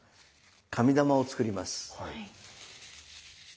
紙玉を作ります。